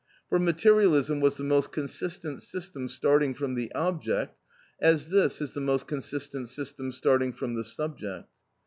For materialism was the most consistent system starting from the object, as this is the most consistent system starting from the subject.